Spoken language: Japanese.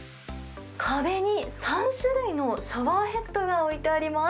壁に３種類のシャワーヘッドが置いてあります。